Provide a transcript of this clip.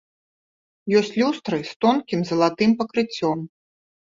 Ёсць люстры з тонкім залатым пакрыццём.